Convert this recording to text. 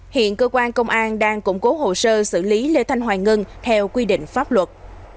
hiện cơ quan công an đang củng cố hồ sơ xử lý lê thanh hoài ngân theo quy định pháp luật